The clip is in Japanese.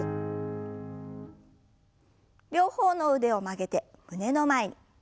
両方の腕を曲げて胸の前に。